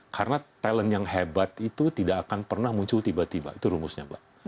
karena talent yang hebat itu tidak akan pernah muncul tiba tiba itu rumusnya